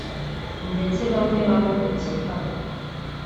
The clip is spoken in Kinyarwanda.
ndetse bamwe bavukiye hano